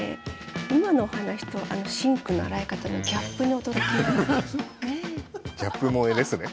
今のお話とあのシンクの洗い方のギャップに驚きます。